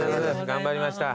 頑張りました。